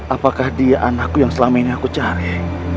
apakah dia anakku yang selama ini aku cari